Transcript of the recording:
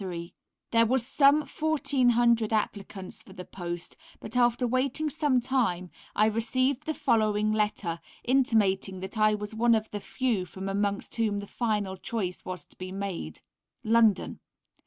There were some 1400 applicants for the post, but after waiting some time I received the following letter intimating that I was one of the few from amongst whom the final choice was to be made: London.